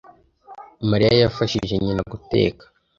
Mariya yafashije nyina guteka.